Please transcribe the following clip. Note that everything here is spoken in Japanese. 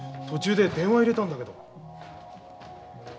途中で電話入れたんだけど。